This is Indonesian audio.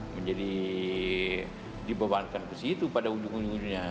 menjadi dibebankan ke situ pada ujung ujungnya